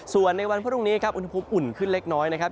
ส่วนในวันพรุ่งนี้ครับอุณหภูมิอุ่นขึ้นเล็กน้อยนะครับ